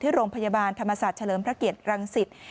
โรงพยาบาลธรรมศาสตร์เฉลิมพระเกียรติรังสิต